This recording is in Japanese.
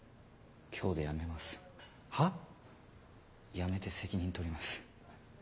辞めて責任取ります